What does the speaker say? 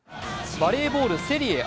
バレーボール・セリエＡ。